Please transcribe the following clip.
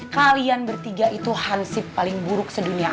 kalian bertiga itu hansip paling buruk sedunia